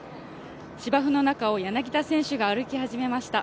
芝生の中を柳田選手が歩き始めました。